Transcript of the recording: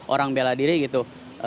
orang beladiri gitu